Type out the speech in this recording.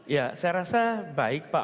ya saya rasa baik pak